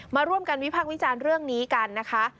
มาร่วมกันวิพากษ์วิจารณ์เรื่องนี้กันนะคะ